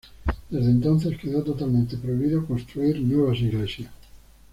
Desde entonces quedó totalmente prohibido construir nuevas iglesias.